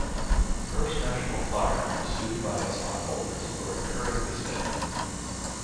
First National Fire was sued by its stockholders for incurring this debt.